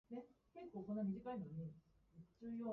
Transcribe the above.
掘り出したものはどこから見てもゴミで、誰が見てもゴミだった